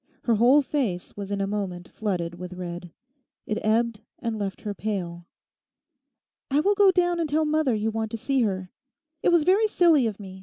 Her whole face was in a moment flooded with red. It ebbed and left her pale. 'I will go down and tell mother you want to see her. It was very silly of me.